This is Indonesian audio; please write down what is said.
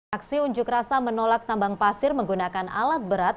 aksi unjuk rasa menolak tambang pasir menggunakan alat berat